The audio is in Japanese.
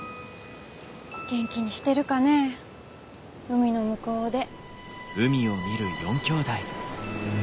元気にしてるかねぇ海の向こうで。